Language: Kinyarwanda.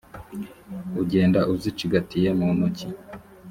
ugende uzicigatiye mu ntoki,